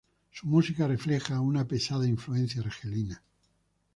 Su música refleja una pesada influencia argelina.